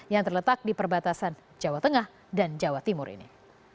yang terletak di perbatasan jawa tengah dan jawa timur ini